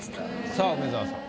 さあ梅沢さん。